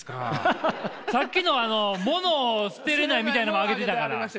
さっきのものを捨てれないみたいのも挙げてたから！